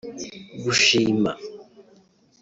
Gushima